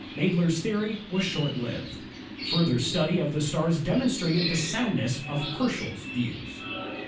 Madler's theory was short lived. Further study of the stars demonstrated the soundness of Herschel's views.